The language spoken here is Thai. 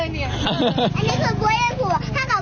มิชุนา